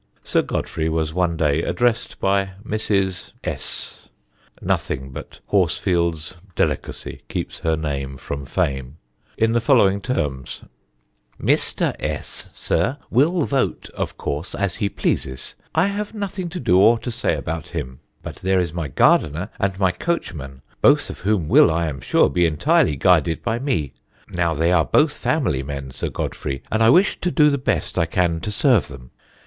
Sir Godfrey was one day addressed by Mrs. S (nothing but Horsfield's delicacy keeps her name from fame) in the following terms: "Mr. S , sir, will vote, of course, as he pleases I have nothing to do or to say about him; but there is my gardener and my coachman, both of whom will, I am sure, be entirely guided by me. Now, they are both family men, Sir Godfrey, and I wish to do the best I can to serve them.